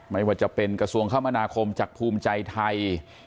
ไม่ว่าจะเป็นกระทรวงคมนาคมจากภูมิใจไทย